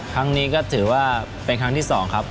ครั้งนี้ก็ถือว่าเป็นครั้งที่๒ครับ